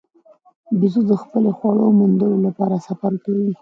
بیزو د خپلې خواړو موندلو لپاره سفر کوي.